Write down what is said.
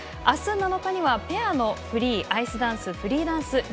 あす、７日にはペアのフリーとアイスダンス、フリーダンス。